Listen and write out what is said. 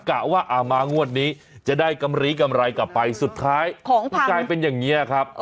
กะว่ามางวดนี้จะได้กำลีกำไรกลับไปสุดท้ายของกลายเป็นอย่างนี้ครับ